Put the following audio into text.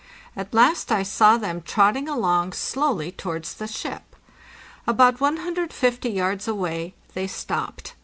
At last I saw them trotting along slowly towards the ship. About 150 yards away they stopped.